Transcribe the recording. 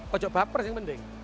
kocok baper sih yang penting